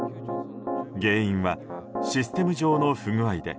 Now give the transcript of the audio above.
原因はシステム上の不具合で